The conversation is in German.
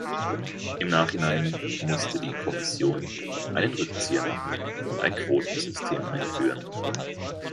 Im Nachhinein musste die Kommission einen Rückzieher machen und ein Quotensystem einführen.